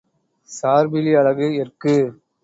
சார்பிலி அலகு எர்க்கு.